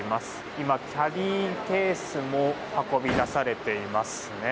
今、キャリーケースも運び出されていますね。